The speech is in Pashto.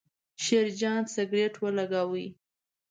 شیرجان سګرېټ ولګاوې.